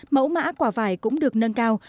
mẫu mã quả vải cũng được nâng cao